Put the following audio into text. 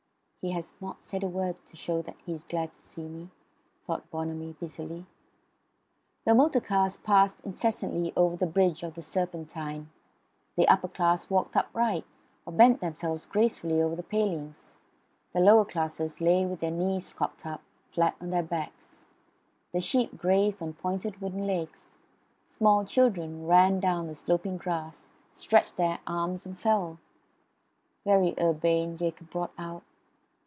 "He has not said a word to show that he is glad to see me," thought Bonamy bitterly. The motor cars passed incessantly over the bridge of the Serpentine; the upper classes walked upright, or bent themselves gracefully over the palings; the lower classes lay with their knees cocked up, flat on their backs; the sheep grazed on pointed wooden legs; small children ran down the sloping grass, stretched their arms, and fell. "Very urbane," Jacob brought out.